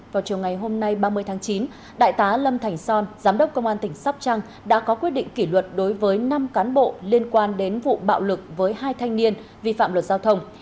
vào chiều ngày hôm nay ba mươi tháng chín đại tá lâm thành son giám đốc công an tỉnh sóc trăng đã có quyết định kỷ luật đối với năm cán bộ liên quan đến vụ bạo lực với hai thanh niên vi phạm luật giao thông